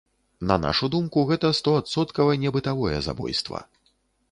На нашу думку, гэта стоадсоткава не бытавое забойства.